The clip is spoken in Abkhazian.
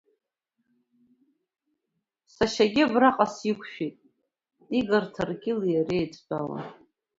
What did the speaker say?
Сашьагьы абраҟа сиқәшәеит, Игор Ҭаркьыли иареи еидтәалан.